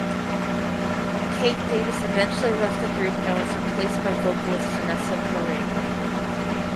Kate Davis eventually left the group and was replaced by vocalist Vanessa Perea.